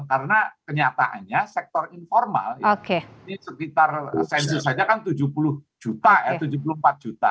karena kenyataannya sektor informal ini sekitar sensus saja kan tujuh puluh juta tujuh puluh empat juta